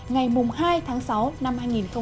ngày hai tháng sáu năm hai nghìn một mươi tám